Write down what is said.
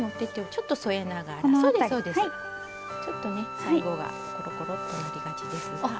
ちょっとね最後がコロコロっとなりがちですが。